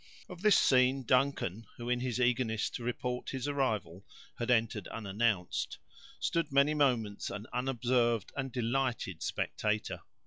Of this scene, Duncan, who, in his eagerness to report his arrival, had entered unannounced, stood many moments an unobserved and a delighted spectator.